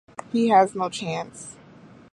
He has no chance.